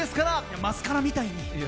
マスカラみたいに？